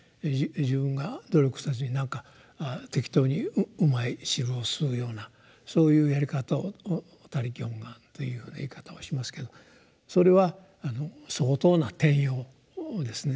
自分が努力せずになんか適当にうまい汁を吸うようなそういうやり方を「他力本願」というふうな言い方をしますけどそれは相当な転用ですね。